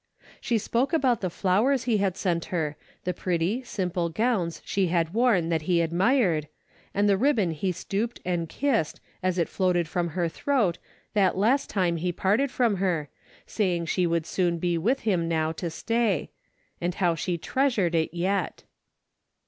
She spoke about the flowers he had sent her, the pretty, simple gowns she had worn that he admired, and the ribbon he s.tooped and kissed, as it floated from her throat, that last time he parted from her, saying she would soon be with him now to stay ; and how she treasured it yet.